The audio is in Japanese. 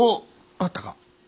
あったか？